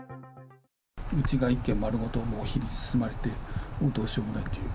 うちが１軒丸ごと、火で包まれて、どうしようもないっていう。